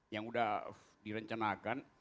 yang udah direncanakan